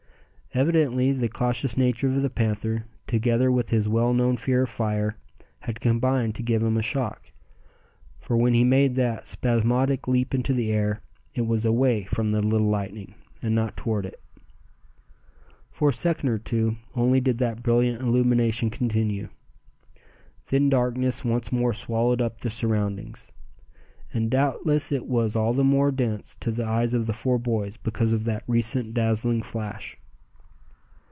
Evidently the cautious nature of the panther, together with his well known fear of fire, had combined to give him a shock; for when he made that spasmodic leap into the air, it was away from the "little lightning," and not toward it. For a second or two only did that brilliant illumination continue. Then darkness once more swallowed up the surroundings; and doubtless it was all the more dense to the eyes of the four boys because of that recent dazzling flash.